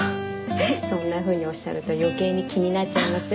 そんなふうにおっしゃると余計に気になっちゃいます。